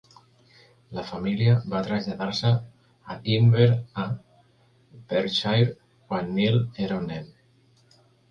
La família va traslladar-se a Inver a Perthshire quan Niel era un nen.